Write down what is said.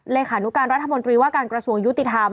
เลขานุการรัฐมนตรีว่าการกระทรวงยุติธรรม